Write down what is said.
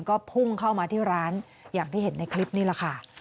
ก็พุ่งเข้ามาที่ร้านอย่างที่เห็นในคลิปนี่แหละค่ะ